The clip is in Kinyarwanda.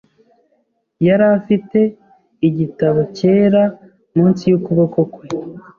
Yari afite igitabo cyera munsi yukuboko kwe .